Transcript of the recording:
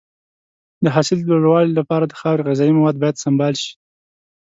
د حاصل د لوړوالي لپاره د خاورې غذایي مواد باید سمبال شي.